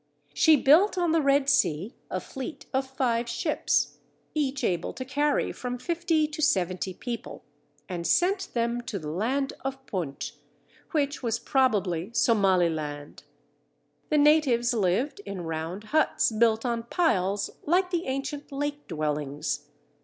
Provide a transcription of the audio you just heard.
She built on the Red Sea a fleet of five ships, each able to carry from fifty to seventy people, and sent them to the land of Punt, which was probably Somaliland. The natives lived in round huts built on piles like the ancient lake dwellings.